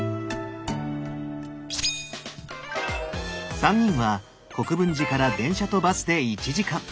３人は国分寺から電車とバスで１時間。